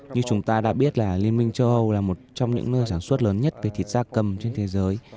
như chúng ta đã biết là liên minh châu âu là một trong những nơi sản xuất lớn nhất về thịt da cầm trên thế giới